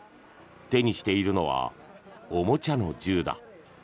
手にしているのはおもちゃの銃だ。